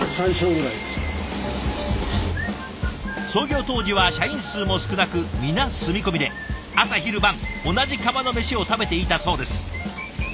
創業当時は社員数も少なく皆住み込みで朝昼晩同じ釜の飯を食べていたそうです。